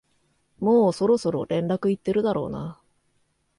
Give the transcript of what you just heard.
もうそろそろ連絡行ってるだろうな